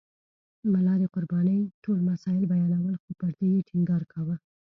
ملا د قربانۍ ټول مسایل بیانول خو پر دې یې ټینګار کاوه.